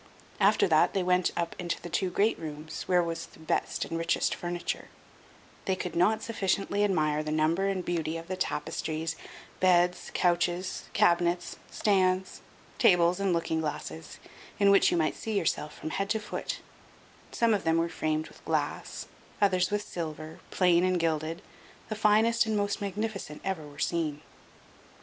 After that they went up into the two great rooms, where was the best and richest furniture; they could not sufficiently admire the number and beauty of the tapestry, beds, couches, cabinets, stands, tables, and looking glasses, in which you might see yourself from head to foot; some of them were framed with glass, others with silver, plain and gilded, the finest and most magnificent ever were seen.